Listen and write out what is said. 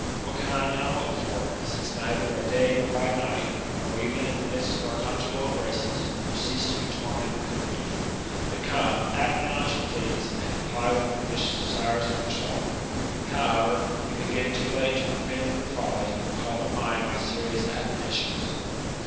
What can I now hope for, since, neither by day npr by night, nor even in the midst of our conjugal embraces, you cease to be tormented with grief? But come, act now as you please, and comply with the pernici ous desires of your soul. However, when you begin too late to repent of your folly, call to mind my serious admonitions."